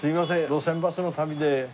『路線バス』の旅で。